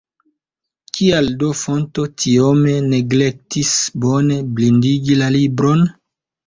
Kial do Fonto tiome neglektis bone bindigi la libron?